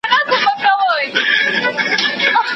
اشاره کړې او پر ویر یې ورسره ژړلي دي.